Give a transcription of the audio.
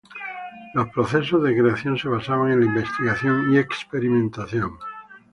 Los procesos de creación se basaban en la investigación y experimentación.